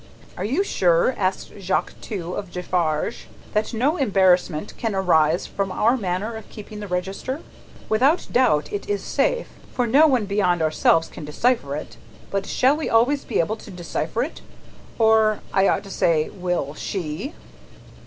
"Are you sure," asked Jacques Two, of Defarge, "that no embarrassment can arise from our manner of keeping the register? Without doubt it is safe, for no one beyond ourselves can decipher it; but shall we always be able to decipher it or, I ought to say, will she?"